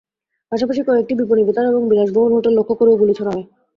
পাশাপাশি কয়েকটি বিপণিবিতান এবং বিলাসবহুল হোটেল লক্ষ্য করেও গুলি ছোড়া হয়।